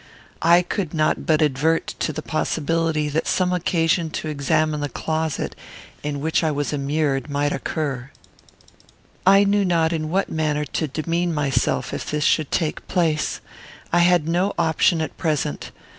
I could not but advert to the possibility that some occasion to examine the closet, in which I was immured, might occur. I knew not in what manner to demean myself if this should take place. I had no option at present.